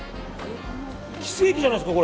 奇跡じゃないですか？